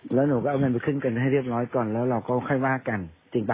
แล้วหนูก็เอาเงินไปขึ้นเงินให้เรียบร้อยก่อนแล้วเราก็ค่อยว่ากันจริงป่